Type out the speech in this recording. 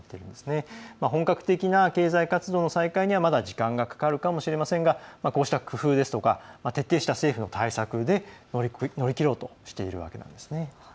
本格的な経済活動の再開にはまだ時間がかかるかもしれませんがこうした工夫ですとか徹底した政府の対策で乗り切ろうとしているわけなんです。